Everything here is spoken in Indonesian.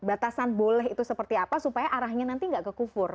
batasan boleh itu seperti apa supaya arahnya nanti nggak kekufur